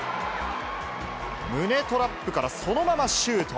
胸トラップからそのままシュート。